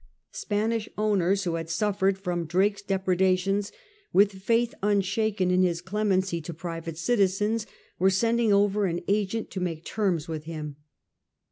Spanish owners who had suffered from Drake's depredations, with faith unshaken in his clemency to private citizens, were sending over an agent to make terms with him.